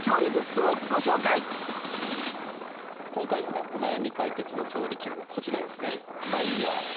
今回のお悩み解決の調理器具はこちらですね。